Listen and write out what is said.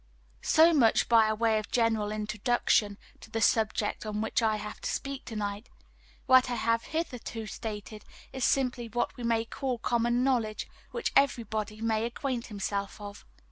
So much by way of general introduction to the subject on which I have to speak to night. What I have hitherto stated is simply what we may call common knowledge, which everybody may acquaint himself with.